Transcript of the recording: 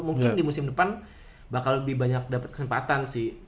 mungkin di musim depan bakal lebih banyak dapat kesempatan sih